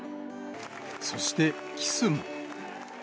そして、キスも。